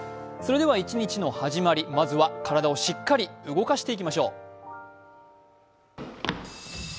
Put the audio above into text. それでは一日の始まり、まずは体をしっかり動かしていきましょう。